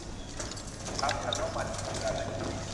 คุณถามฉันว่ามันคืออะไร